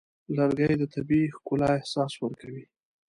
لرګی د طبیعي ښکلا احساس ورکوي.